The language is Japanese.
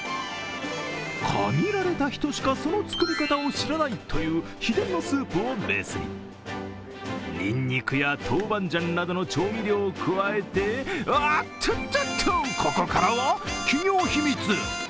限られた人しか、その作り方を知らないという秘伝のスープをベースににんにくやトウバンジャンなどの調味料を加えておっと、ここからは企業秘密！